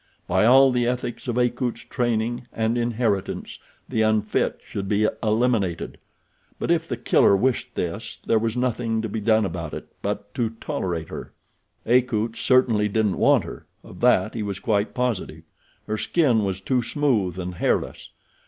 By all the ethics of Akut's training and inheritance the unfit should be eliminated; but if The Killer wished this there was nothing to be done about it but to tolerate her. Akut certainly didn't want her—of that he was quite positive. Her skin was too smooth and hairless.